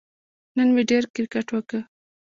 نن مې ډېر کیرکټ وکه